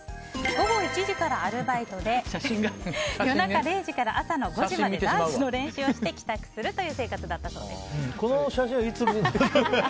午後１時からアルバイトで夜中０時から朝５時までダンスの練習をして帰宅するという生活だったそうです。